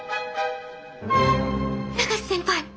永瀬先輩